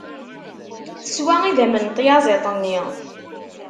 Teswa idammen n tyaẓiḍt-nni.